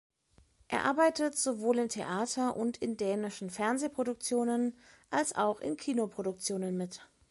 Er arbeitet sowohl im Theater und in dänischen Fernsehproduktionen, als auch in Kinoproduktionen mit.